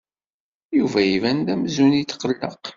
Yuba iban-d amzun yetqelleq.